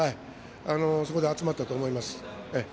そこで集まったと思います。